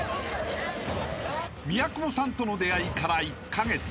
［宮久保さんとの出会いから］